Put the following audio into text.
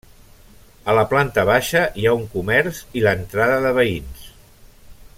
A la planta baixa hi ha un comerç i l'entrada de veïns.